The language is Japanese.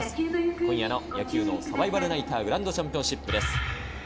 今夜の野球脳サバイバルナイターグランドチャンピオンシップです。